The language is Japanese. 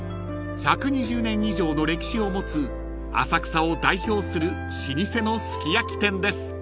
［１２０年以上の歴史を持つ浅草を代表する老舗のすき焼き店です］